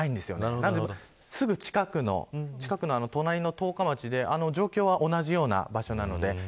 なので、すぐ近くの隣の十日町で状況は、同じような場所です。